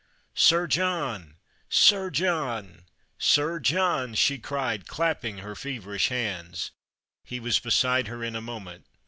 " Sir John ! Sir John ! Sir John !" she cried, clapping her feverish hands. He Avas beside her in a moment.